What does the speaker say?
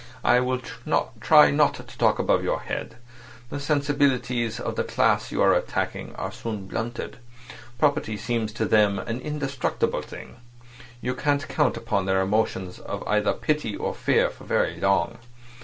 I will try not to talk above your head. The sensibilities of the class you are attacking are soon blunted. Property seems to them an indestructible thing. You can't count upon their emotions either of pity or fear for very long.